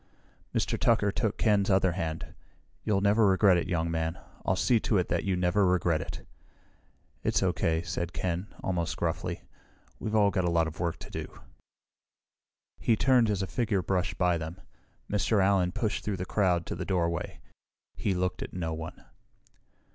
Mr. Tucker took Ken's other hand. "You'll never regret it, young man. I'll see to it that you never regret it." "It's okay," said Ken, almost gruffly. "We've all got a lot of work to do." He turned as a figure brushed by them. Mr. Allen pushed through the crowd to the doorway. He looked at no one.